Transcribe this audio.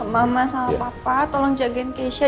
mama sama papa tolong jagain keisha